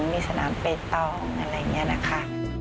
มีสนามเปตองอะไรอย่างนี้นะคะ